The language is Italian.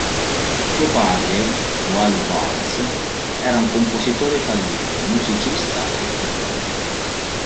Suo padre, Wald Barnes, era un compositore fallito, musicista e pittore.